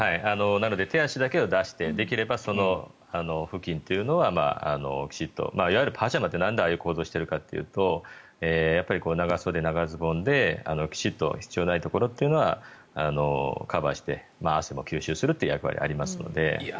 なので手足だけを出してできれば、その付近というのはいわゆるパジャマというのはなんでああいう構造をしているかというと長袖、長ズボンできちんと必要ないところはカバーして汗も吸収するという役割がありますので。